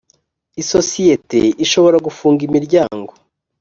isosiyete ishobora gufunga imiryango.